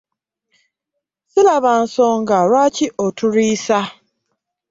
Ssiraba nsonga lwaki otulwisa?